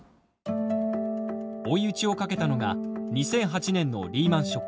追い打ちをかけたのが２００８年のリーマンショック。